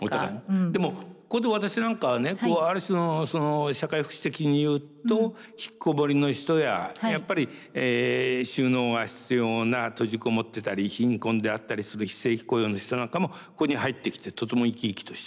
でもここで私なんかはねある種の社会福祉的に言うと引きこもりの人ややっぱり就農が必要な閉じこもってたり貧困であったりする非正規雇用の人なんかもここに入ってきてとても生き生きとした？